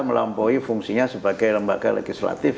melampaui fungsinya sebagai lembaga legislatif